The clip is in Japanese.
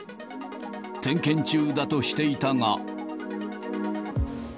点検中だとしていたが。